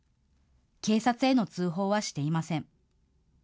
警察への通報はしていません。